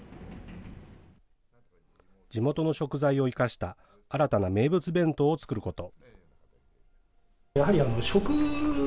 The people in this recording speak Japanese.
地元の食材を生かした新たな名物弁当を作ること。